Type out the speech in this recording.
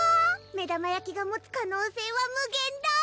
目玉焼きが持つ可能性は無限大！